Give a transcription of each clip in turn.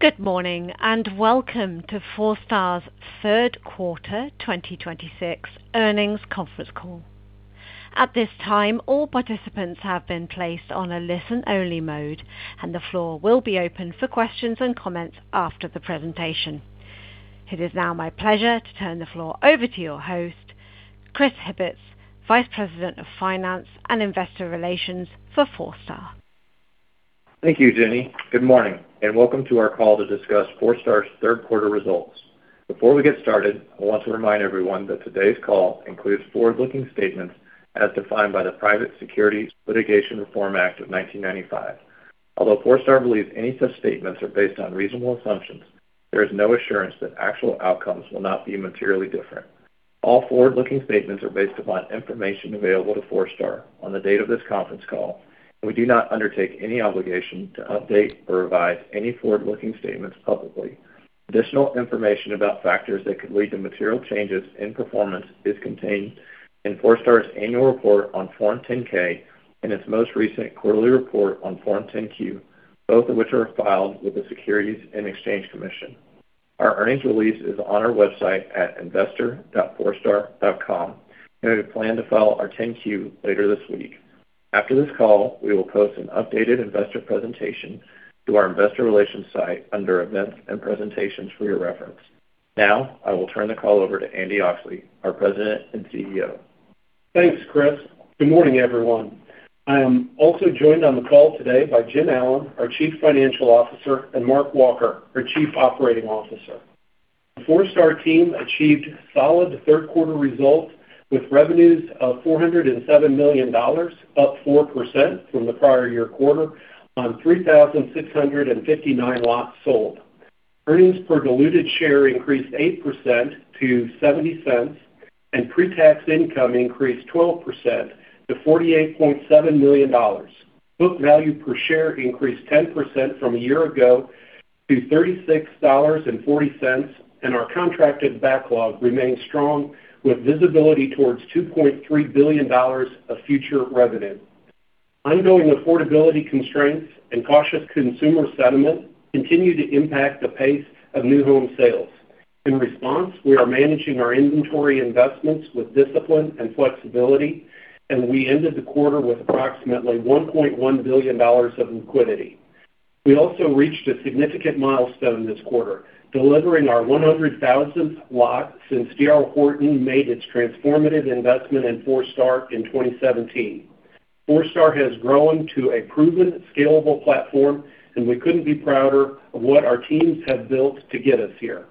Good morning, and welcome to Forestar's third quarter 2026 earnings conference call. At this time, all participants have been placed on a listen-only mode, and the floor will be open for questions and comments after the presentation. It is now my pleasure to turn the floor over to your host, Chris Hibbetts, Vice President of Finance and Investor Relations for Forestar. Thank you, Jenny. Good morning, and welcome to our call to discuss Forestar's third quarter results. Before we get started, I want to remind everyone that today's call includes forward-looking statements as defined by the Private Securities Litigation Reform Act of 1995. Although Forestar believes any such statements are based on reasonable assumptions, there is no assurance that actual outcomes will not be materially different. All forward-looking statements are based upon information available to Forestar on the date of this conference call, and we do not undertake any obligation to update or revise any forward-looking statements publicly. Additional information about factors that could lead to material changes in performance is contained in Forestar's annual report on Form 10-K and its most recent quarterly report on Form 10-Q, both of which are filed with the Securities and Exchange Commission. Our earnings release is on our website at investor.forestar.com, and we plan to file our 10-Q later this week. After this call, we will post an updated investor presentation to our investor relations site under Events and Presentations for your reference. Now, I will turn the call over to Andy Oxley, our President and CEO. Thanks, Chris. Good morning, everyone. I am also joined on the call today by Jim Allen, our Chief Financial Officer, and Mark Walker, our Chief Operating Officer. The Forestar team achieved solid third quarter results with revenues of $407 million, up 4% from the prior year quarter, on 3,659 lots sold. Earnings per diluted share increased 8% to $0.70, and pre-tax income increased 12% to $48.7 million. Book value per share increased 10% from a year ago to $36.40, and our contracted backlog remains strong with visibility towards $2.3 billion of future revenue. Ongoing affordability constraints and cautious consumer sentiment continue to impact the pace of new home sales. In response, we are managing our inventory investments with discipline and flexibility, and we ended the quarter with approximately $1.1 billion of liquidity. We also reached a significant milestone this quarter, delivering our 100,000th lot since D.R. Horton made its transformative investment in Forestar in 2017. Forestar has grown to a proven scalable platform, and we couldn't be prouder of what our teams have built to get us here.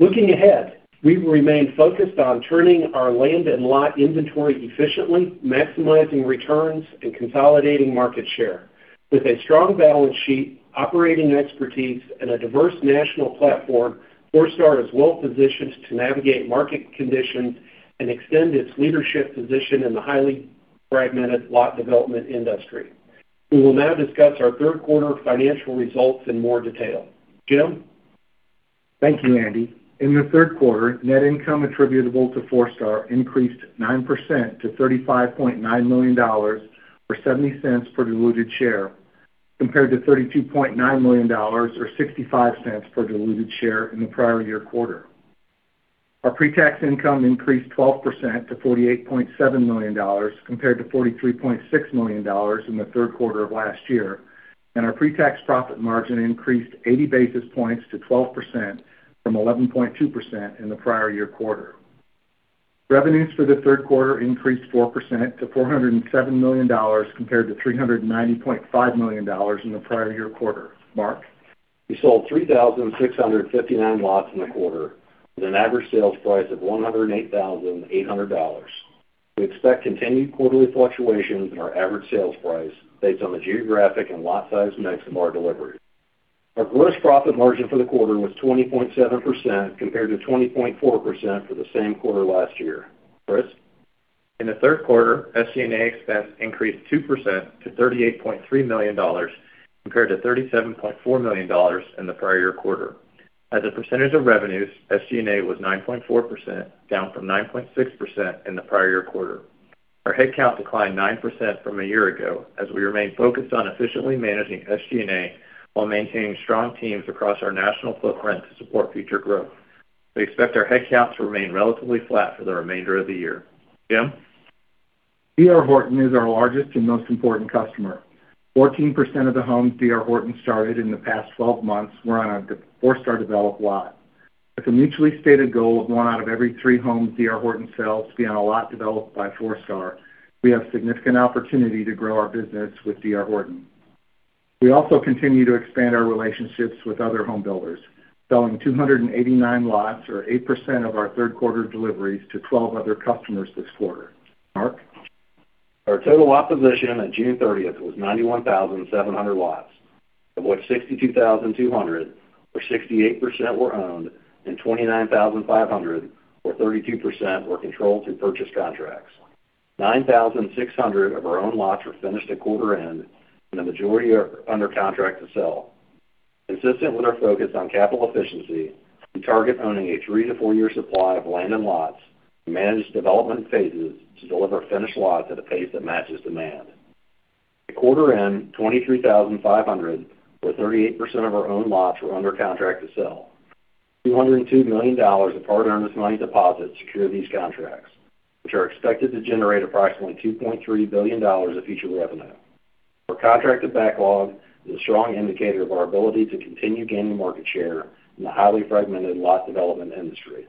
Looking ahead, we remain focused on turning our land and lot inventory efficiently, maximizing returns, and consolidating market share. With a strong balance sheet, operating expertise, and a diverse national platform, Forestar is well-positioned to navigate market conditions and extend its leadership position in the highly fragmented lot development industry. We will now discuss our third quarter financial results in more detail. Jim? Thank you, Andy. In the third quarter, net income attributable to Forestar increased 9% to $35.9 million, or $0.70 per diluted share, compared to $32.9 million or $0.65 per diluted share in the prior year quarter. Our pre-tax income increased 12% to $48.7 million, compared to $43.6 million in the third quarter of last year, our pre-tax profit margin increased 80 basis points to 12%, from 11.2% in the prior year quarter. Revenues for the third quarter increased 4% to $407 million, compared to $390.5 million in the prior year quarter. Mark? We sold 3,659 lots in the quarter with an average sales price of $108,800. We expect continued quarterly fluctuations in our average sales price based on the geographic and lot size mix of our delivery. Our gross profit margin for the quarter was 20.7%, compared to 20.4% for the same quarter last year. Chris? In the third quarter, SG&A expense increased 2% to $38.3 million, compared to $37.4 million in the prior year quarter. As a percentage of revenues, SG&A was 9.4%, down from 9.6% in the prior year quarter. Our headcount declined 9% from a year ago as we remain focused on efficiently managing SG&A while maintaining strong teams across our national footprint to support future growth. We expect our headcounts to remain relatively flat for the remainder of the year. Jim? D.R. Horton is our largest and most important customer. 14% of the homes D.R. Horton started in the past 12 months were on a Forestar-developed lot. With a mutually stated goal of one out of every three homes D.R. Horton sells to be on a lot developed by Forestar, we have significant opportunity to grow our business with D.R. Horton. We also continue to expand our relationships with other home builders, selling 289 lots or 8% of our third quarter deliveries to 12 other customers this quarter. Mark? Our total lot position on June 30th was 91,700 lots, of which 62,200 or 68% were owned and 29,500 or 32% were controlled through purchase contracts. 9,600 of our own lots were finished at quarter end, and the majority are under contract to sell. Consistent with our focus on capital efficiency, we target owning a three- to four-year supply of land and lots and manage development phases to deliver finished lots at a pace that matches demand. At quarter end, 23,500 or 38% of our own lots were under contract to sell. $202 million of earnest money deposits secure these contracts, which are expected to generate approximately $2.3 billion of future revenue. Our contracted backlog is a strong indicator of our ability to continue gaining market share in the highly fragmented lot development industry.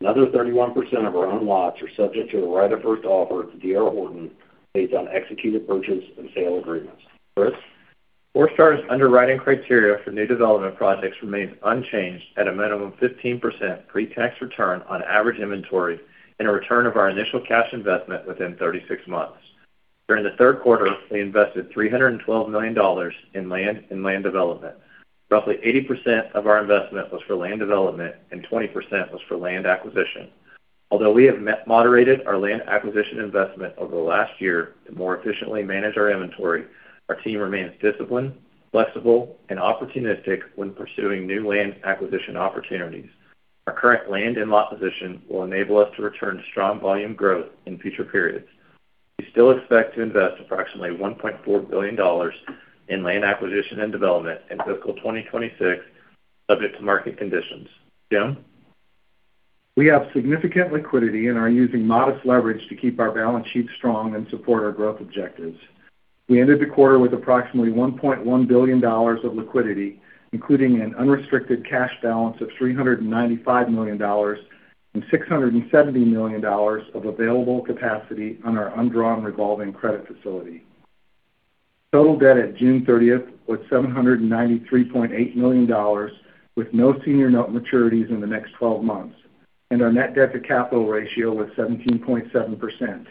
Another 31% of our own lots are subject to a right of first offer to D.R. Horton based on executed purchase and sale agreements. Chris? Forestar's underwriting criteria for new development projects remains unchanged at a minimum 15% pre-tax return on average inventory and a return of our initial cash investment within 36 months. During the third quarter, we invested $312 million in land and land development. Roughly 80% of our investment was for land development and 20% was for land acquisition. Although we have moderated our land acquisition investment over the last year to more efficiently manage our inventory, our team remains disciplined, flexible and opportunistic when pursuing new land acquisition opportunities. Our current land and lot position will enable us to return strong volume growth in future periods. We still expect to invest approximately $1.4 billion in land acquisition and development in fiscal 2026, subject to market conditions. Jim? We have significant liquidity and are using modest leverage to keep our balance sheet strong and support our growth objectives. We ended the quarter with approximately $1.1 billion of liquidity, including an unrestricted cash balance of $395 million and $670 million of available capacity on our undrawn revolving credit facility. Total debt at June 30th was $793.8 million, with no senior note maturities in the next 12 months. Our net debt-to-capital ratio was 17.7%.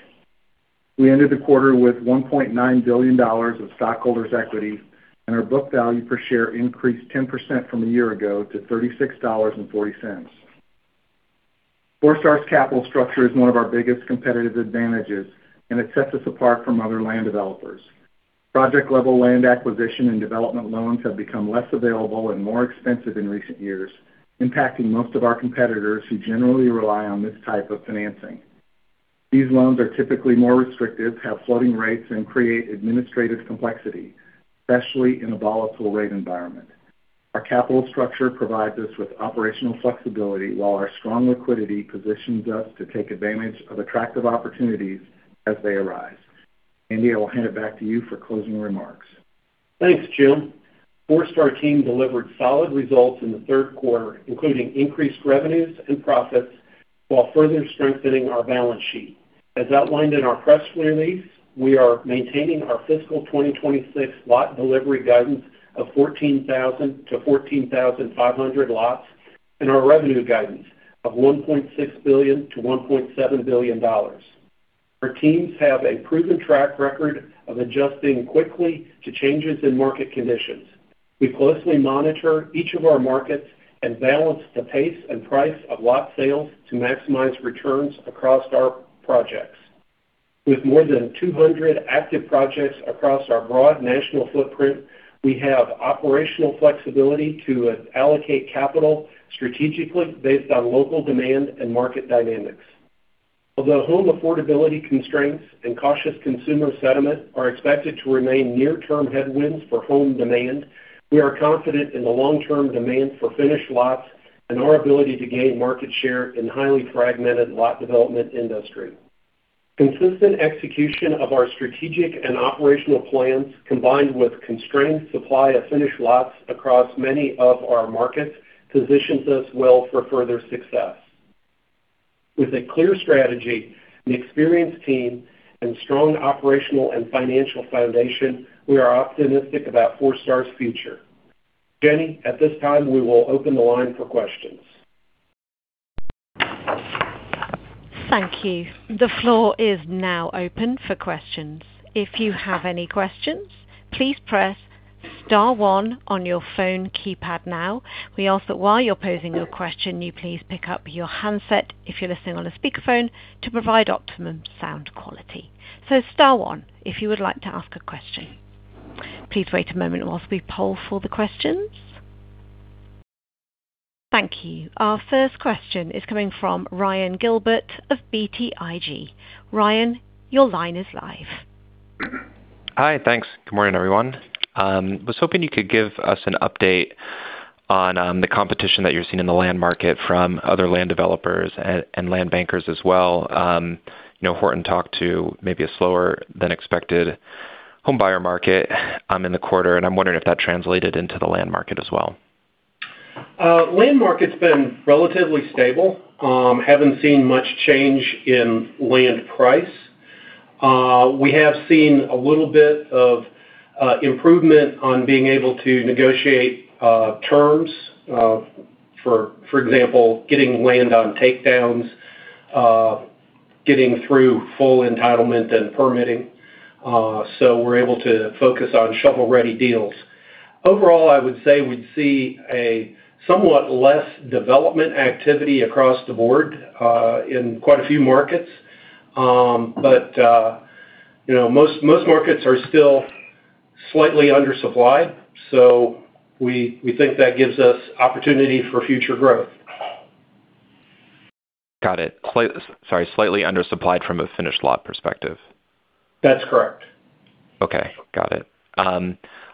We ended the quarter with $1.9 billion of stockholders' equity. Our book value per share increased 10% from a year ago to $36.40. Forestar's capital structure is one of our biggest competitive advantages. It sets us apart from other land developers. Project-level land acquisition and development loans have become less available and more expensive in recent years, impacting most of our competitors who generally rely on this type of financing. These loans are typically more restrictive, have floating rates, and create administrative complexity, especially in a volatile rate environment. Our capital structure provides us with operational flexibility while our strong liquidity positions us to take advantage of attractive opportunities as they arise. Andy, I will hand it back to you for closing remarks. Thanks, Jim. Forestar team delivered solid results in the third quarter, including increased revenues and profits while further strengthening our balance sheet. As outlined in our press release, we are maintaining our fiscal 2026 lot delivery guidance of 14,000-14,500 lots and our revenue guidance of $1.6 billion-$1.7 billion. Our teams have a proven track record of adjusting quickly to changes in market conditions. We closely monitor each of our markets and balance the pace and price of lot sales to maximize returns across our projects. With more than 200 active projects across our broad national footprint, we have operational flexibility to allocate capital strategically based on local demand and market dynamics. Although home affordability constraints and cautious consumer sentiment are expected to remain near-term headwinds for home demand, we are confident in the long-term demand for finished lots and our ability to gain market share in the highly fragmented lot development industry. Consistent execution of our strategic and operational plans, combined with constrained supply of finished lots across many of our markets, positions us well for further success. With a clear strategy, an experienced team, and strong operational and financial foundation, we are optimistic about Forestar's future. Jenny, at this time, we will open the line for questions. Thank you. The floor is now open for questions. If you have any questions, please press star one on your phone keypad now. We ask that while you're posing your question, you please pick up your handset if you're listening on a speakerphone to provide optimum sound quality. Star one if you would like to ask a question. Please wait a moment whilst we poll for the questions. Thank you. Our first question is coming from Ryan Gilbert of BTIG. Ryan, your line is live. Hi. Thanks. Good morning, everyone. I was hoping you could give us an update on the competition that you're seeing in the land market from other land developers and land bankers as well. Horton talked to maybe a slower than expected home buyer market in the quarter, and I'm wondering if that translated into the land market as well. Land market's been relatively stable. Haven't seen much change in land price. We have seen a little bit of improvement on being able to negotiate terms. For example, getting land on takedowns, getting through full entitlement and permitting. We're able to focus on shovel-ready deals. Overall, I would say we'd see a somewhat less development activity across the board in quite a few markets. Most markets are still slightly undersupplied, so we think that gives us opportunity for future growth. Got it. Sorry, slightly undersupplied from a finished lot perspective. That's correct. Okay, got it.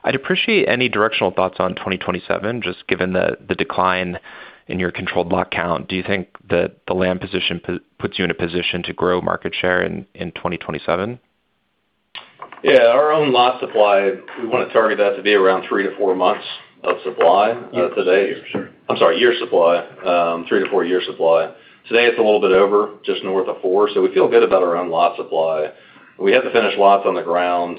I'd appreciate any directional thoughts on 2027, just given the decline in your controlled lot count. Do you think that the land position puts you in a position to grow market share in 2027? Yeah. Our own lot supply, we want to target that to be around three to four months of supply today. I'm sorry, year supply. Three- to four-year supply. Today, it's a little bit over, just north of four, so we feel good about our own lot supply. We have to finish lots on the ground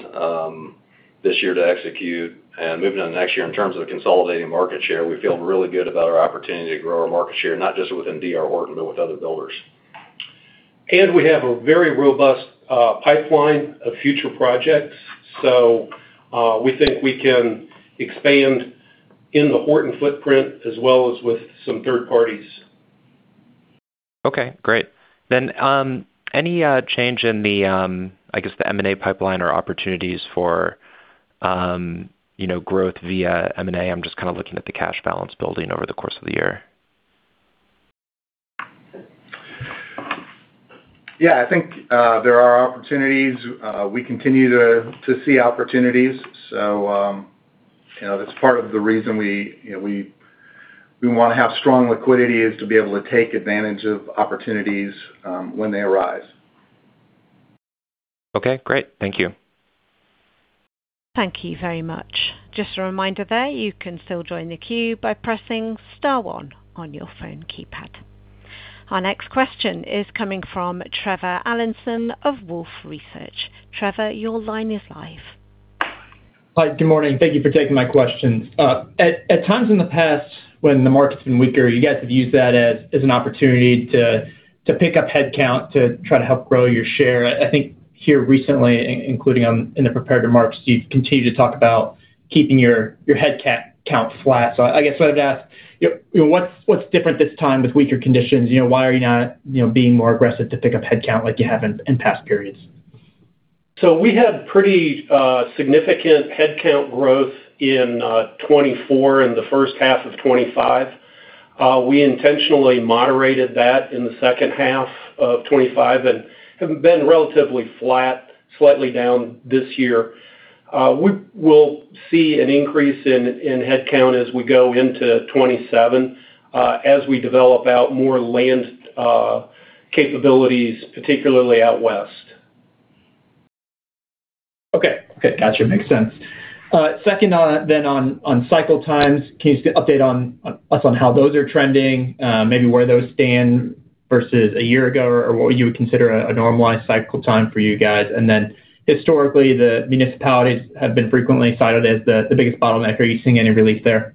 this year to execute. Moving on next year, in terms of consolidating market share, we feel really good about our opportunity to grow our market share, not just within D.R. Horton, but with other builders. We have a very robust pipeline of future projects, so we think we can expand in the Horton footprint as well as with some third parties. Okay, great. Any change in the, I guess the M&A pipeline or opportunities for growth via M&A? I'm just kind of looking at the cash balance building over the course of the year. Yeah, I think there are opportunities. We continue to see opportunities. That's part of the reason we want to have strong liquidity, is to be able to take advantage of opportunities when they arise. Okay, great. Thank you. Thank you very much. Just a reminder there, you can still join the queue by pressing star one on your phone keypad. Our next question is coming from Trevor Allinson of Wolfe Research. Trevor, your line is live. Hi. Good morning. Thank you for taking my questions. At times in the past when the market's been weaker, you guys have used that as an opportunity to pick up head count to try to help grow your share. I think here recently, including in the prepared remarks, you've continued to talk about keeping your head count flat. I guess I would ask, what's different this time with weaker conditions? Why are you not being more aggressive to pick up head count like you have in past periods? We had pretty significant headcount growth in 2024 and the first half of 2025. We intentionally moderated that in the second half of 2025 and have been relatively flat, slightly down this year. We will see an increase in headcount as we go into 2027 as we develop out more land capabilities, particularly out West. Okay. Got you. Makes sense. Second, on cycle times, can you update us on how those are trending? Maybe where those stand versus a year ago or what you would consider a normalized cycle time for you guys. Historically, the municipalities have been frequently cited as the biggest bottleneck. Are you seeing any relief there?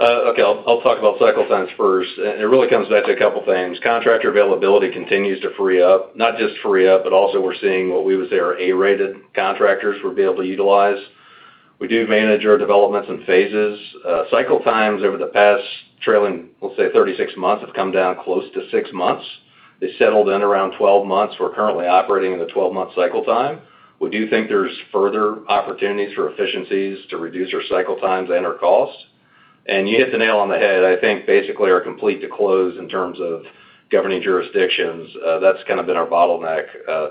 Okay, I'll talk about cycle times first. It really comes back to a couple things. Contractor availability continues to free up. Not just free up, but also we're seeing what we would say are A-rated contractors we'll be able to utilize. We do manage our developments in phases. Cycle times over the past trailing, we'll say 36 months, have come down close to six months. They settled in around 12 months. We're currently operating in the 12-month cycle time. We do think there's further opportunities for efficiencies to reduce our cycle times and our costs. You hit the nail on the head. I think basically our complete to close in terms of governing jurisdictions, that's kind of been our bottleneck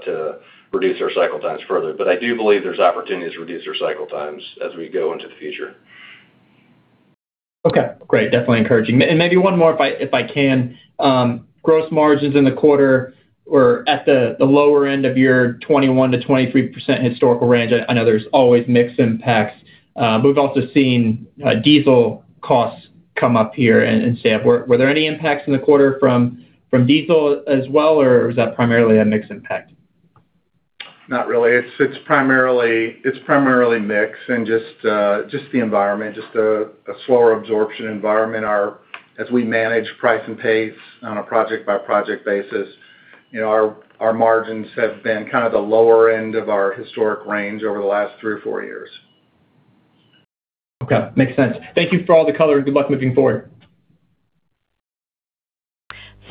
to reduce our cycle times further. I do believe there's opportunities to reduce our cycle times as we go into the future. Okay, great. Definitely encouraging. Maybe one more if I can. Gross margins in the quarter were at the lower end of your 21%-23% historical range. I know there's always mix impacts. We've also seen diesel costs come up here in site work. Were there any impacts in the quarter from diesel as well, or was that primarily a mix impact? Not really. It's primarily mix and just the environment, just a slower absorption environment. As we manage price and pace on a project-by-project basis, our margins have been kind of the lower end of our historic range over the last three or four years. Okay, makes sense. Thank you for all the color. Good luck moving forward.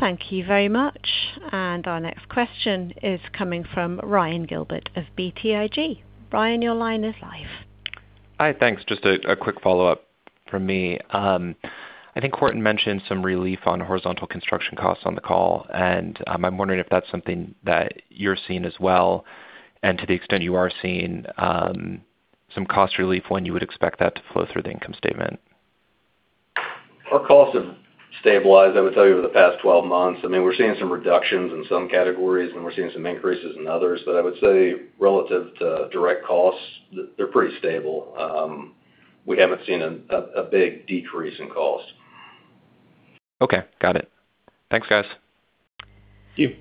Thank you very much. Our next question is coming from Ryan Gilbert of BTIG. Ryan, your line is live. Hi, thanks. Just a quick follow-up from me. I think Horton mentioned some relief on horizontal construction costs on the call, and I'm wondering if that's something that you're seeing as well. To the extent you are seeing some cost relief, when you would expect that to flow through the income statement. Our costs have stabilized, I would tell you, over the past 12 months. I mean, we're seeing some reductions in some categories, and we're seeing some increases in others. I would say relative to direct costs, they're pretty stable. We haven't seen a big decrease in cost. Okay, got it. Thanks, guys. Thank you.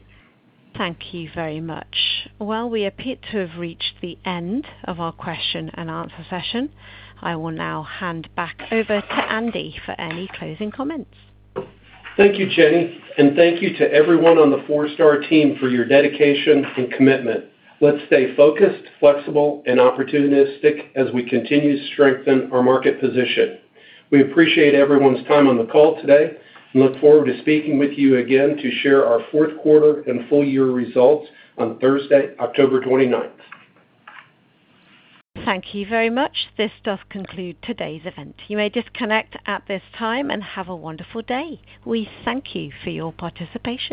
Thank you very much. Well, we appear to have reached the end of our question-and-answer session. I will now hand back over to Andy for any closing comments. Thank you, Jenny, and thank you to everyone on the Forestar team for your dedication and commitment. Let's stay focused, flexible, and opportunistic as we continue to strengthen our market position. We appreciate everyone's time on the call today and look forward to speaking with you again to share our fourth quarter and full-year results on Thursday, October 29th. Thank you very much. This does conclude today's event. You may disconnect at this time, and have a wonderful day. We thank you for your participation.